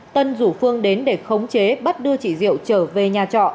tân rủ phương đến để khống chế bắt đưa chị diệu trở về nhà trọ